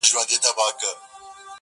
تا ويل له سره ماله تېره يم خو;